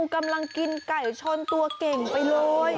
กำลังกินไก่ชนตัวเก่งไปเลย